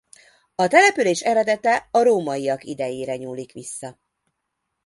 A település eredete a rómaiak idejére nyúlik vissza.